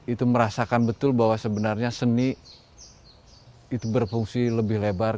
itu merasakan betul bahwa sebenarnya seni itu berfungsi lebih lebar